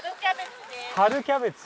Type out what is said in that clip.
春キャベツ。